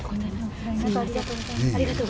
つらい中ありがとうございます。